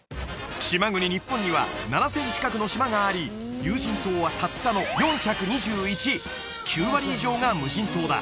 島国日本には７０００近くの島があり有人島はたったの４２１９割以上が無人島だ